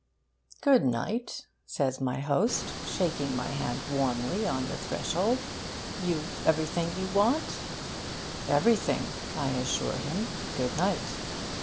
'Good night,' says my host, shaking my hand warmly on the threshold; you've everything you want?' 'Everything,' I assure him; 'good night.'